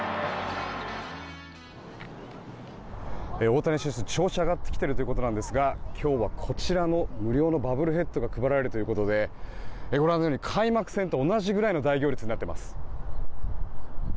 大谷選手、調子が上がってきているということですが今日はこちらの無料のボブルヘッド人形が配られるということでご覧のように開幕戦と同じような大行列となっています。